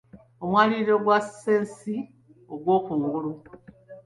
Omwaliiro gwa ssensi ogw'okungulu.